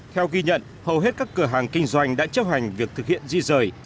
theo ghi nhận hầu hết các cửa hàng kinh doanh đã chấp hành việc thực hiện di rời